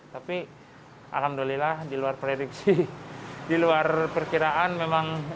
tapi alhamdulillah di luar prediksi di luar perkiraan memang